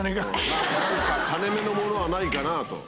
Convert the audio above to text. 「何か金めのものはないかな」と。